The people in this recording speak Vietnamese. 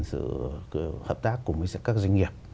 sự hợp tác cùng với các doanh nghiệp